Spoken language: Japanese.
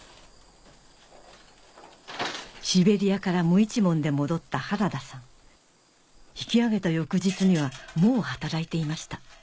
シベリアから無一文で戻った原田さん引き揚げた翌日にはもう働いていました